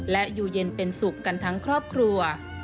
และอยู่เย็นเป็นสุขกันทั้งครอบครัว